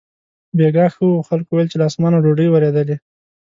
بېګاه ښه و، خلکو ویل چې له اسمانه ډوډۍ ورېدلې.